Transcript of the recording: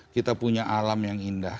kita punya alam yang indah